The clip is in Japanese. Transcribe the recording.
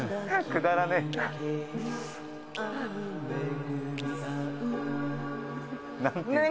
「くだらねえ」